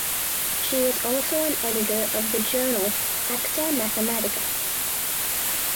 She was also an editor of the journal "Acta Mathematica".